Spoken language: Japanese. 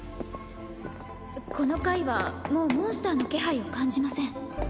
この階はもうモンスターの気配を感じません。